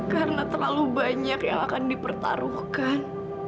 karena terlalu banyak yang akan dipertaruhkan